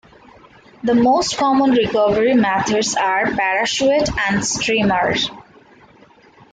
The most common recovery methods are parachute and streamer.